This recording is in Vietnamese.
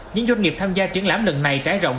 những doanh nghiệp tham gia triển lãm lần này trái rộng